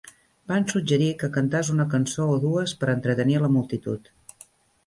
Van suggerir que cantàs una cançó o dues per entretenir a la multitud.